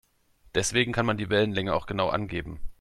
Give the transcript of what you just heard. Deswegen kann man die Wellenlänge auch genau angeben.